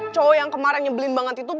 cowok yang kemarin nyebelin banget itu